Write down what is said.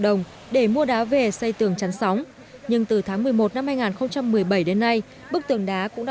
đồng để mua đá về xây tường chắn sóng nhưng từ tháng một mươi một năm hai nghìn một mươi bảy đến nay bức tường đá cũng đã